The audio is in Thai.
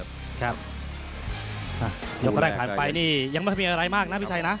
ยกแรกผ่านไปนี่ยังไม่ได้มีอะไรมากนะพี่ชัยนะ